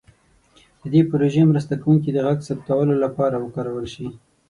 د دې پروژې مرسته کوونکي د غږ ثبتولو لپاره وکارول شي.